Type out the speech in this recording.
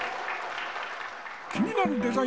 気になるデザイン